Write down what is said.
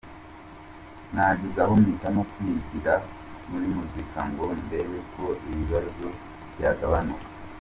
Nagezaho mpitamo kwigira muri muzika ngo ndebe ko ibibazo byagabanuka.